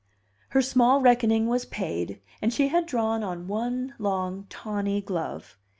Her small reckoning was paid, and she had drawn on one long, tawny glove.